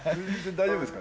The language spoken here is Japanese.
大丈夫ですか？